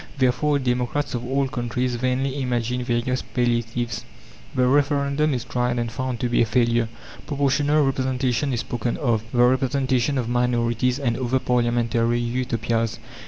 Therefore democrats of all countries vainly imagine various palliatives. The Referendum is tried and found to be a failure; proportional representation is spoken of, the representation of minorities, and other parliamentary Utopias.